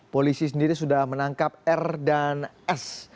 polisi sendiri sudah menangkap r dan s